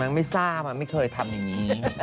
มันไม่ทราบอ่ะมันไม่เคยทำอย่างนี้